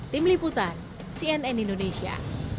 tim liputan cnn indonesia